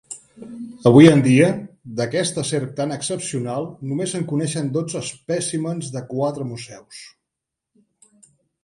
Avui en dia, d'aquesta serp tan excepcional només se'n coneixen dotze espècimens de quatre museus.